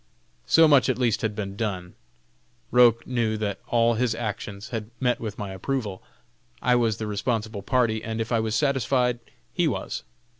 So much at least had been done. Roch knew that all his actions had met with my approval. I was the responsible party, and if I was satisfied, he was.